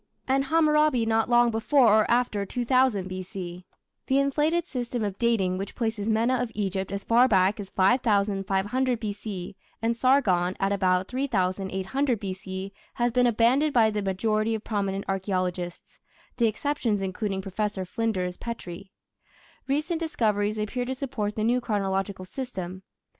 and Hammurabi not long before or after 2000 B.C. The inflated system of dating which places Mena of Egypt as far back as 5500 B.C. and Sargon at about 3800 B.C. has been abandoned by the majority of prominent archaeologists, the exceptions including Professor Flinders Petrie. Recent discoveries appear to support the new chronological system.